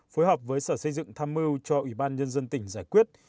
phối hợp với sở xây dựng tham mưu cho ủy ban nhân dân tỉnh giải quyết